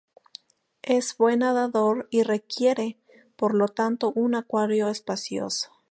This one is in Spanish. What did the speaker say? Es buen nadador y requiere, por lo tanto, un acuario espacioso.